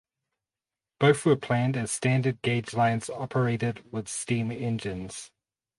Both were planned as standard gauge lines operated with steam engines.